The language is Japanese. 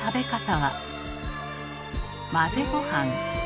混ぜごはん。